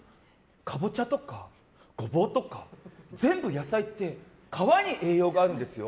カボチャとかゴボウとか全部野菜って皮に栄養があるんですよ。